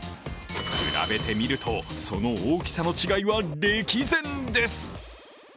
比べてみると、その大きさの違いは暦前です。